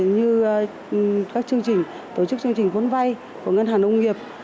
như các chương trình tổ chức chương trình vốn vay của ngân hàng nông nghiệp